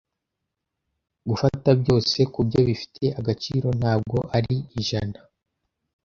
Gufata byose kubyo bifite agaciro ntabwo ari ijana,